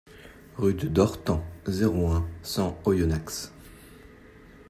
Rue de Dortan, zéro un, cent Oyonnax